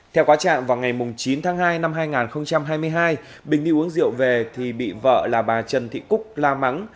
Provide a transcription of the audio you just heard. theo quá trạng vào ngày chín tháng hai năm hai nghìn hai mươi hai bình đi uống rượu về thì bị vợ là bà trần thị cúc la mắng